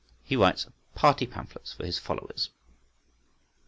He writes party pamphlets for his followers.